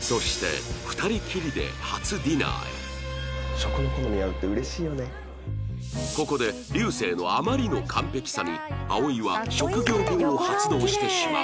そしてここで流星のあまりの完璧さに葵は職業病を発動してしまう